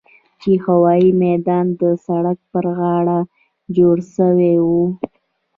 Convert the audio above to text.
چې د هوايي ميدان د سړک پر غاړه جوړ سوي وو.